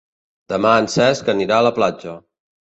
Demà en Cesc anirà a la platja.